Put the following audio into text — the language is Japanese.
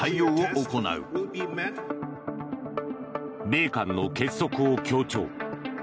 米韓の結束を強調。